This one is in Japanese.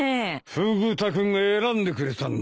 フグ田君が選んでくれたんだ。